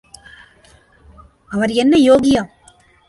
அவர் என்ன யோகியா?